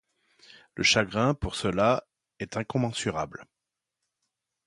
Le chagrin pour ceux-là est incommensurable.